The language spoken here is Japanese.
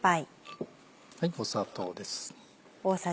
砂糖です。